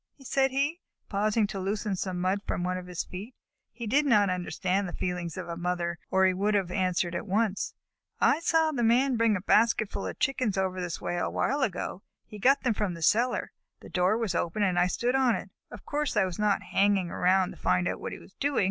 said he, pausing to loosen some mud from one of his feet (he did not understand the feelings of a mother, or he would have answered at once). "I saw the Man bring a basketful of Chickens over this way a while ago. He got them from the cellar. The door was open and I stood on it. Of course I was not hanging around to find out what he was doing.